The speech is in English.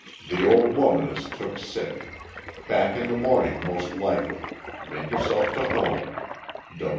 The old woman is took sick. Back in the morning most likely make yourself to home.